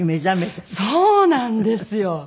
そうなんですよ！